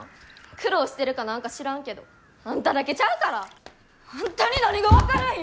苦労してるかなんか知らんけどあんただけちゃうから！あんたに何が分かるんや！